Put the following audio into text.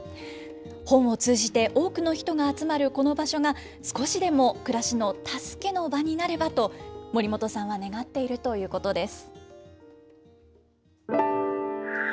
本を通じて、多くの人が集まるこの場所が、少しでも暮らしの助けの場になればと守本さんは願っているということです。